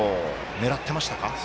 狙っていましたか？